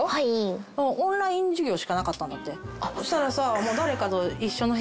そしたらさもう。